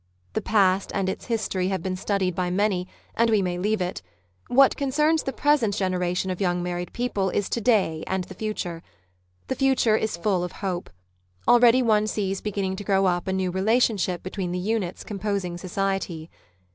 The past and its history have been studied by many, and we may leave it. What concerns the present generation of young married people is to day and the future. The future is full of hope. Already one sees beginning to grow up a new relationship between the units composing society.